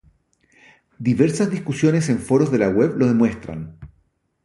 Diversas discusiones en foros de la web lo demuestran.